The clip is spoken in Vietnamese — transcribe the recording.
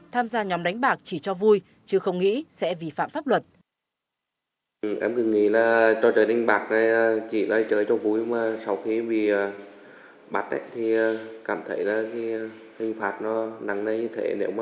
tham gia nhóm đánh bạc chỉ cho vui chứ không nghĩ sẽ vi phạm pháp luật